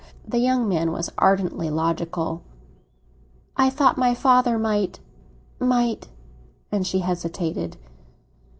The young man was ardently logical. "I thought my father might—might—" and she hesitated.